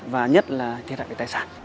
và nhất là thiệt hại về tài sản